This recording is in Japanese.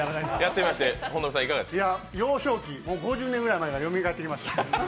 幼少期、５０年ぐらい前がよみがえってきました。